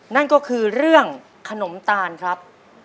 นั่นก็คือเรื่องขนมตาลครับ